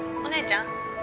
お姉ちゃん？